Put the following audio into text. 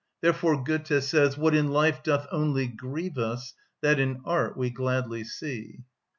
Therefore Goethe says— "What in life doth only grieve us, That in art we gladly see."